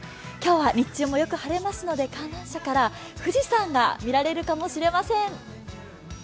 今日は日中もよく晴れますので、観覧車から富士山が見られるかもしれません。